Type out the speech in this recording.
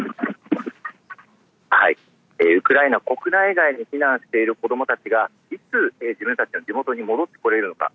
ウクライナ国内外に避難している子どもたちが、いつ、自分たちの地元に戻ってこれるのか。